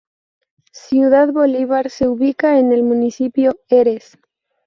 Ciudad Bolívar se ubica en el Municipio Heres.